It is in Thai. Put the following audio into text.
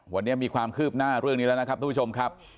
วันนี้มีความคืบหน้าเรื่องนี้แล้วนะครับทุกผู้ชมครับ